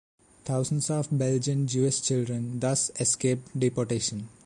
Thousands of Belgian Jewish children thus escaped deportation.